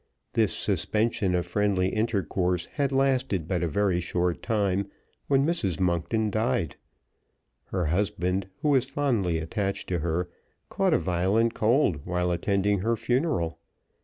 This suspension of friendly intercourse had lasted but a very short time when Mrs. Monkton died. Her husband, who was fondly attached to her, caught a violent cold while attending her funeral.